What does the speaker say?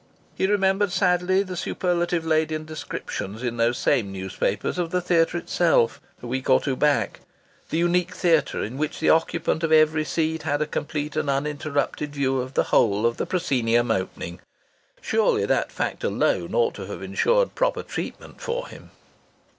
He remembered sadly the superlative laden descriptions, in those same newspapers, of the theatre itself, a week or two back, the unique theatre in which the occupant of every seat had a complete and uninterrupted view of the whole of the proscenium opening. Surely that fact alone ought to have ensured proper treatment for him!